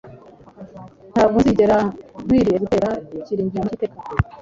ntabwo nzigera nkwiriye gutera ikirenge mu cy'iteka.